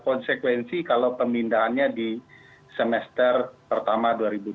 konsekuensi kalau pemindahannya di semester pertama dua ribu dua puluh